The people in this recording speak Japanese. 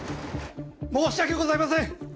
申し訳ございません！